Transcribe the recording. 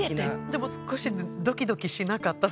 でも少しドキドキしなかった？